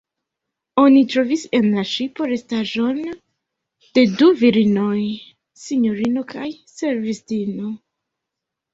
Oni trovis en la ŝipo restaĵon de du virinoj: sinjorino kaj servistino.